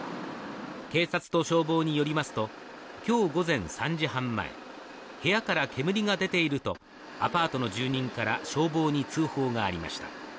警察と消防によりますと今日午前３時半前部屋から煙が出ているとアパートの住民から消防に通報がありました。